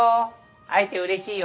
会えてうれしいよ。